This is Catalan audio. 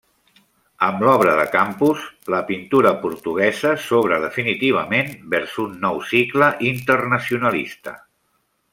Amb l'obra de Campos, la pintura portuguesa s'obre definitivament vers un nou cicle internacionalista.